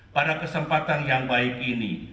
pada kesempatan yang baik ini